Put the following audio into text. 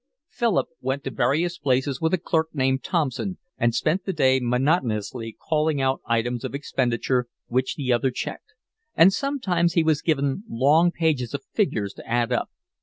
Philip went to various places with a clerk named Thompson and spent the day monotonously calling out items of expenditure, which the other checked; and sometimes he was given long pages of figures to add up.